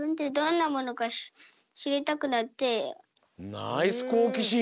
ナイスこうきしん！